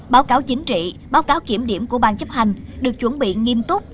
báo cáo chính trị báo cáo kiểm điểm của ban chấp hành được chuẩn bị nghiêm túc